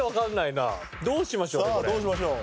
さあどうしましょう？